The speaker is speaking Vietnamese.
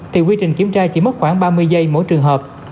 thì quy trình kiểm tra chỉ mất khoảng ba mươi giây mỗi trường hợp